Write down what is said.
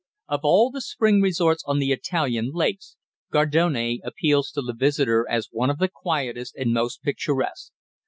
Of all the spring resorts on the Italian lakes, Gardone appeals to the visitor as one of the quietest and most picturesque.